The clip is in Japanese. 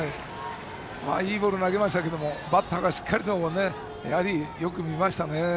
いいボールを投げましたけどもバッターがしっかりとよく見ましたね。